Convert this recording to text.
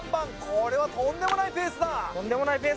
これはとんでもないペースだ